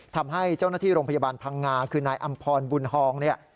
ทำให้เจ้าหน้าที่โรงพยาบาลพังงาคือนายอำพรบุญฮองเนี่ย